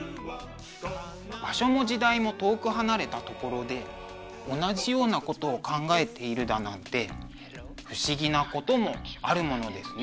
場所も時代も遠く離れたところで同じようなことを考えているだなんて不思議なこともあるものですね。